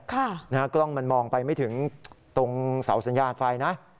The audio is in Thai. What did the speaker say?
กล้องมันมองไปไม่ถึงตรงเสาสัญญาณไฟนะ